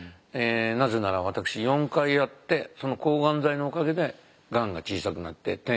なぜなら私４回やってその抗がん剤のおかげでがんが小さくなって転移も防げたので。